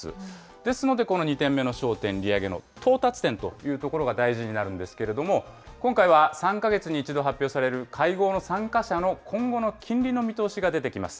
ですので、この２点目の焦点、利上げの到達点というところが大事になるんですけれども、今回は３か月に一度発表される会合の参加者の今後の金利の見通しが出てきます。